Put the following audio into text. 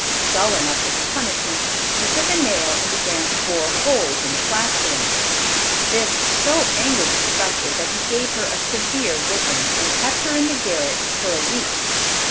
Sullen at this punishment, she took a nail and began to bore holes in the plastering. This so angered the professor, that he gave her a severe whipping, and kept her in the garret for a week.